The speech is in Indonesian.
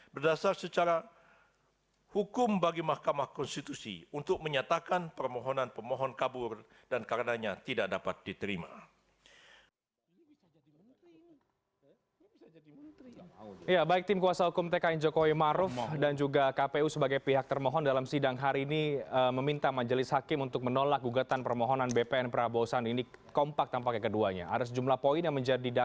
berdasar secara hukum bagi mahkamah konstitusi untuk menyatakan permohonan pemohon kabur dan karenanya tidak dapat diterima